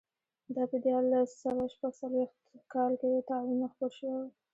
دا په دیارلس سوه شپږ څلوېښت کال کې طاعون خپور شوی و.